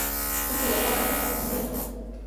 Tukuqa paqasllapami rikan.